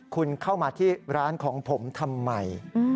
คุณเข้ามาที่ร้านของผมทำไม